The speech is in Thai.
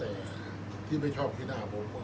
อันไหนที่มันไม่จริงแล้วอาจารย์อยากพูด